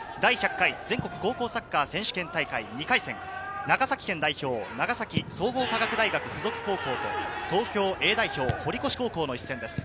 第１００回全国高校サッカー選手権２回戦、長崎県代表・長崎総合科学大学附属高校と東京Ａ代表・堀越高校の一戦です。